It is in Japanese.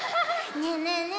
ねえねえねえ